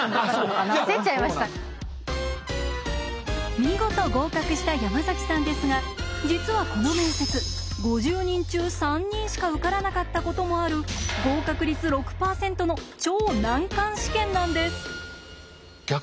見事合格した山崎さんですが実はこの面接５０人中３人しか受からなかったこともある合格率６％の超難関試験なんです。